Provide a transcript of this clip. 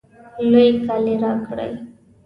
لوی کالی راکړئ